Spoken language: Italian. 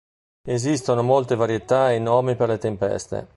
Esistono molte varietà e nomi per le tempeste.